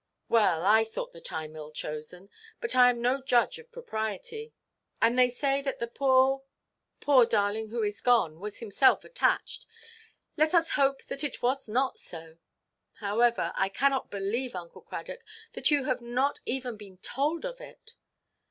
"Well, I thought the time ill–chosen. But I am no judge of propriety. And they say that the poor—poor darling who is gone, was himself attached—let us hope that it was not so; however, I cannot believe, Uncle Cradock, that you have not even been told of it."